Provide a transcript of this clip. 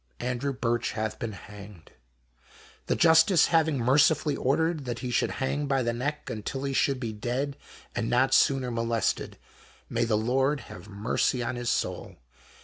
Andrew Birch hath been hanged, the Justice having mercifully ordered that he should hang by the neck until he should be dead, and not sooner molested. May the Lord have mercy on his soul.